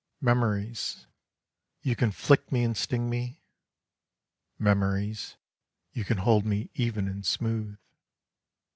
Memories: you can flick me and sting me. Memories, you can hold me even and smooth.